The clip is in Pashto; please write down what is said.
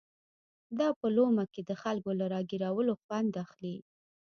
دا په لومه کې د خلکو له را ګيرولو خوند اخلي.